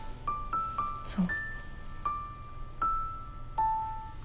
そう。